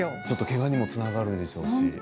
けがにもつながるでしょうし。